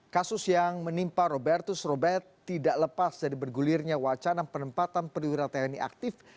kasus yang menimpa robertus robert tidak lepas dari bergulirnya wacana penempatan perwira tni aktif